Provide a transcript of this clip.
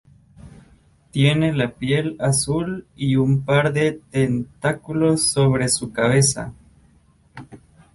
Tiene la piel azul y un par de tentáculos sobre su cabeza.